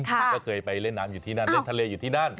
ก็เคยไปเล่นน้ำอยู่ที่นั่นเล่นทะเลอยู่ที่นั่น